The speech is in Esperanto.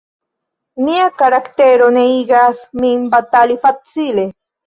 Mia karaktero ne igas min batali facile.